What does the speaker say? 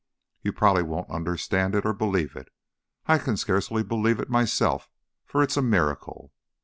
"You probably won't understand it or believe it I can scarcely believe it myself, for it's a miracle.